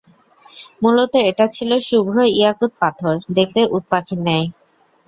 মূলত এটা ছিল শুভ্র ইয়াকূত পাথর, দেখতে উট পাখির ন্যায়।